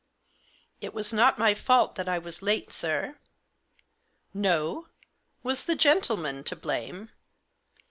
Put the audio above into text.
" It was not my fault that I was late, sir." " No ? Was the gentleman to blame